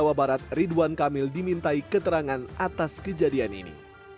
jawa barat ridwan kamil dimintai keterangan atas kejadian ini